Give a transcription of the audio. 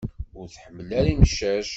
Ur tḥemmel ara imcac.